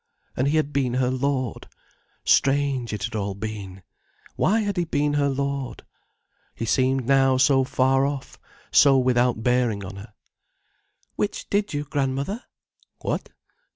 And he had been her lord! Strange, it all had been! Why had he been her lord? He seemed now so far off, so without bearing on her. "Which did you, grandmother?" "What?"